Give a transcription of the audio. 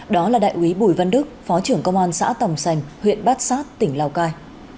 đó là đại quý bùi văn đức phó trưởng công an xã tòng sành huyện bát sát tỉnh lào cai